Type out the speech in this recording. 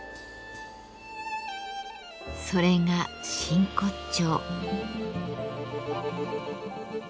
それが真骨頂。